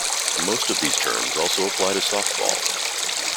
Most of these terms also apply to softball.